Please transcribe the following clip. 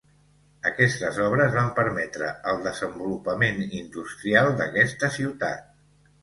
Aquestes obres van permetre el desenvolupament industrial d'aquesta ciutat.